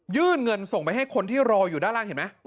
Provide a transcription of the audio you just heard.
ยื่นเงินส่งไปให้คนที่รออยู่ด้านล่างเห็นไหม